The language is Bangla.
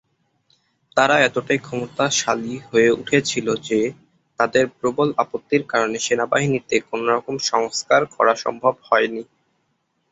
তারা এতটাই ক্ষমতাশালী হয়ে উঠেছিল যে, তাদের প্রবল আপত্তির কারণে সেনাবাহিনীতে কোনো রকম সংস্কার করা সম্ভব হয়নি।